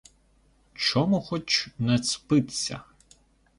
Чому хоч не спиться?